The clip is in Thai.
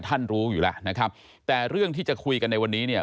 รู้อยู่แล้วนะครับแต่เรื่องที่จะคุยกันในวันนี้เนี่ย